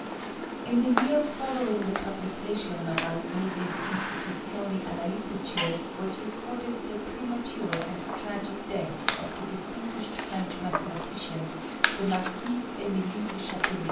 In the year following the publication of Agnesi's Instituzioni Analitiche was recorded the premature and tragic death of the distinguished French mathematician, the Marquise Émilie du Châtelet.